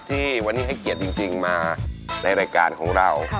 ที่วันนี้ให้เกียรติจริงมาในรายการของเรา